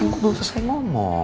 kamu belum selesai ngomong